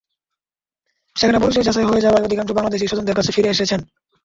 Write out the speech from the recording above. সেখানে পরিচয় যাচাই হয়ে যাওয়ায় অধিকাংশ বাংলাদেশি স্বজনদের কাছে ফিরে এসেছেন।